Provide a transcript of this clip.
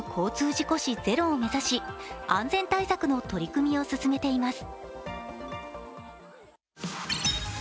事故死ゼロを目指し安全対策の取り組みを進めています。